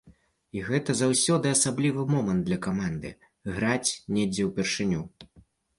І гэта заўсёды асаблівы момант для каманды, граць недзе ў першыню.